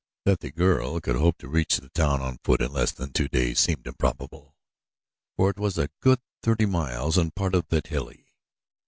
That the girl could hope to reach the town on foot in less than two days seemed improbable, for it was a good thirty miles and part of it hilly.